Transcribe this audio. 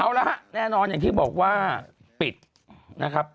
เอาละฮะแน่นอนอย่างที่บอกว่าปิดนะครับ